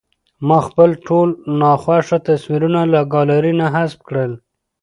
ما خپل ټول ناخوښه تصویرونه له ګالرۍ نه حذف کړل.